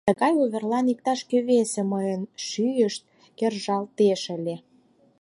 Тыгай уверлан иктаж-кӧ весе мыйын шӱйыш кержалтеш ыле.